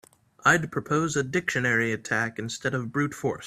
I'd propose a dictionary attack instead of brute force.